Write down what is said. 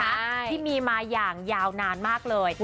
ใช่ที่มีมาอย่างยาวนานมากเลย